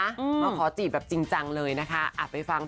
มาขอจีบแบบจริงจังเลยนะคะ